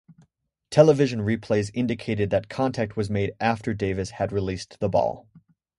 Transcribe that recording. Television replays indicated that contact was made after Davis had released the ball.